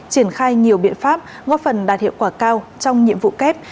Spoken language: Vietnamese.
triển khai nhiều biện pháp góp phần đạt hiệu quả cao trong nhiệm vụ kép